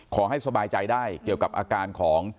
ขอให้สบายใจได้เกี่ยวกับอาการของ